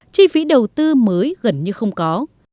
chi phí đầu tư mới gần như không có